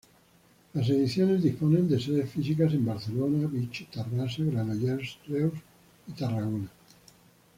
Las ediciones disponen de sedes físicas en Barcelona, Vich, Tarrasa, Granollers, Reus y Tarragona.